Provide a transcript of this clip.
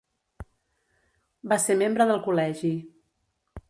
Va ser membre del Col·legi.